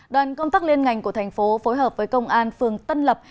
đoàn công tác liên ngành của thành phố phối hợp với công an phường tân lập